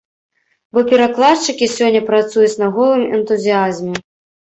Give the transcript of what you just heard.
Бо перакладчыкі сёння працуюць на голым энтузіязме.